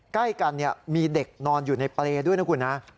ใกล้กันมีเด็กนอนอยู่ในเปรย์ด้วยนะคุณนะ